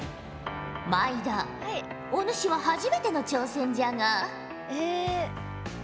毎田お主は初めての挑戦じゃが。